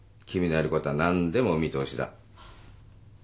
君のやることは何でもお見通しだ。